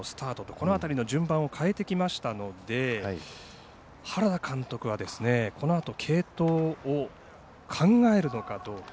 この辺りの順番を変えてきましたので原田監督は、このあと継投を考えるのかどうか。